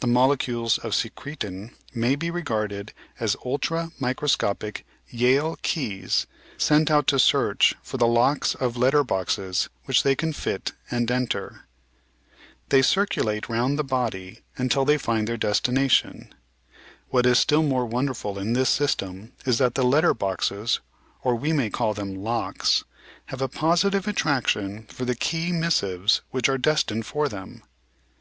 The molecules of secretin may be 356 The Outline of Science regarded as ultra microscopic Yale keys sent out to search for the locks of letter boxes which they can fit and enter." They circu late round the body until they find then* destination. "What is still more wonderful in this system is that the letter boxes, or we may call them locks, have a positive attraction for the key mis sives which are destined for them."